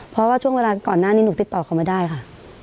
เพราะว่าช่วงเวลาก่อนหน้านี้หนูติดต่อเขาไม่ได้ค่ะ